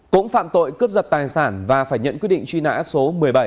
cũng phạm tội cướp giật tài sản và phải nhận quyết định truy nã số một mươi bảy